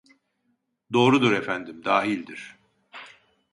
Doğrudur efendim dahildir